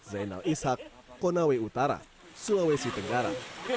zainal ishak konawe utara sulawesi tenggara